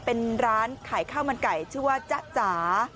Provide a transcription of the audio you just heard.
เป็นร้านขายข้าวมันไก่ชื่อว่าจ๊ะจ๋า